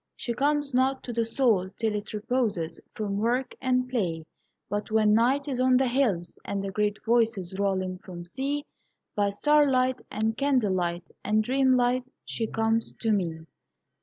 She comes not to the Soul till it reposes From work and play. But when Night is on the hills, and the great Voices Roll in from Sea, By starlight and candle light and dreamlight She comes to me.